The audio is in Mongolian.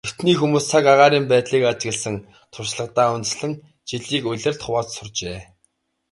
Эртний хүмүүс цаг агаарын байдлыг ажигласан туршлагадаа үндэслэн жилийг улиралд хувааж сурчээ.